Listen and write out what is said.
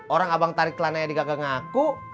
orang abang tarik celananya di gagak ngaku